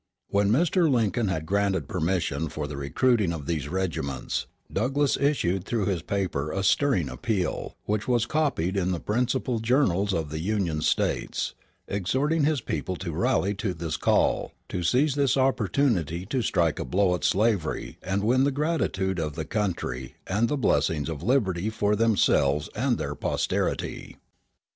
When Mr. Lincoln had granted permission for the recruiting of these regiments, Douglass issued through his paper a stirring appeal, which was copied in the principal journals of the Union States, exhorting his people to rally to this call, to seize this opportunity to strike a blow at slavery and win the gratitude of the country and the blessings of liberty for themselves and their posterity.